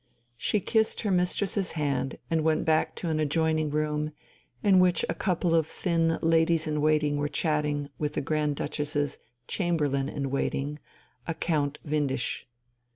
She kissed her mistress's hand and went back to an adjoining room, in which a couple of thin ladies in waiting were chatting with the Grand Duchess's Chamberlain in Waiting, a Count Windisch.